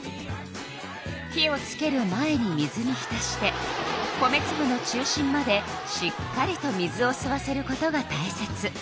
火をつける前に水に浸して米つぶの中心までしっかりと水をすわせることがたいせつ。